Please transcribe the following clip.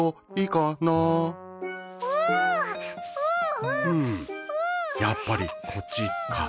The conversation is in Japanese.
うんやっぱりこっちかな。